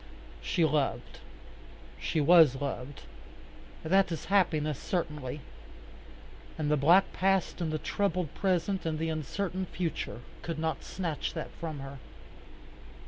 She loved. She was loved. That is happiness certainly. And the black past and the troubled present and the uncertain future could not snatch that from her.